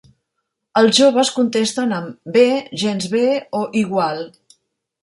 Els joves contesten amb "bé", "gens bé" o "igual".